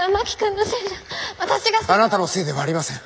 あなたのせいでもありません。